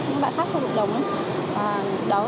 những bạn khác trong cộng đồng